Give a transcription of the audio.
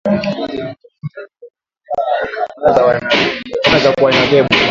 Utahitaji bakuli la kuweka viazi lishe